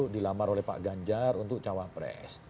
dilamar oleh pak ganjar untuk cawapres